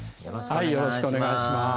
よろしくお願いします。